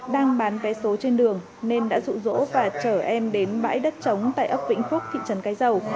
đang bán vé số trên đường nên đã rụ rỗ và chở em đến bãi đất trống tại ấp vĩnh phúc thị trấn cái dầu